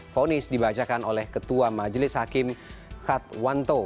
fonis dibacakan oleh ketua majelis hakim khatwanto